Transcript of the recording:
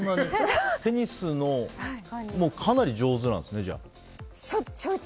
テニスのかなり上手なんですね、じゃあ。